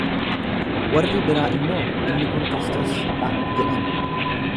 Warri biraa immoo, Inni kun Kristos dha jedhan.